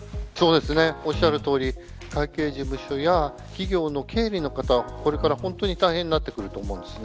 おっしゃるとおり会計事務所や企業の経理の方は本当に大変になってくると思います。